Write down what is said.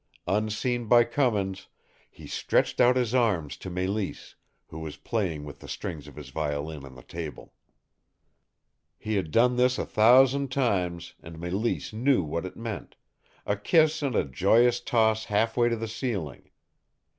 Unseen by Cummins, he stretched out his arms to Mélisse, who was playing with the strings of his violin on the table. He had done this a thousand times, and Mélisse knew what it meant a kiss and a joyous toss halfway to the ceiling.